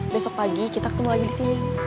besok pagi kita ketemu lagi disini